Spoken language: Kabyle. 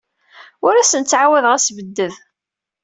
Ur asen-ttɛawadeɣ assebded.